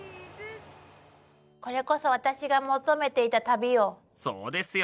これこそ私が求めていた旅よ。